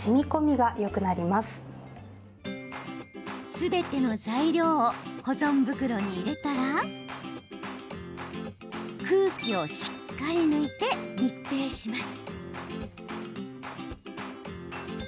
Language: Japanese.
すべての材料を保存袋に入れたら空気をしっかり抜いて密閉します。